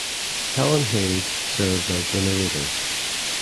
Helen Hayes serves as the narrator.